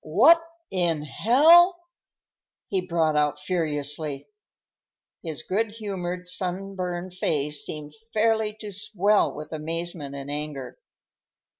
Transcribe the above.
"What in hell—" he brought out furiously. His good humored, sunburned face seemed fairly to swell with amazement and anger.